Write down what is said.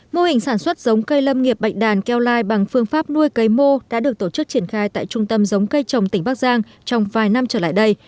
mô hình sản xuất giống cây lâm nghiệp bạch đàn keo lai bằng phương pháp nuôi cây mô đã được tổ chức triển khai tại trung tâm giống cây trồng tỉnh bắc giang trong vài năm trở lại đây